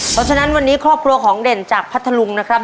เพราะฉะนั้นวันนี้ครอบครัวของเด่นจากพัทธลุงนะครับ